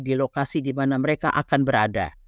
di lokasi di mana mereka akan berada